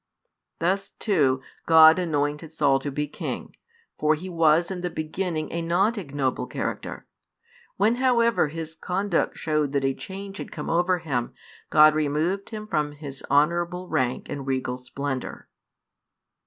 Thus, too, God anointed Saul to be king: for he was in the beginning a not ignoble character; when however his conduct showed that a change had come over him, God removed him from his honourable rank and regal splendour.